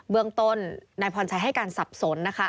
เมืองต้นนายพรชัยให้การสับสนนะคะ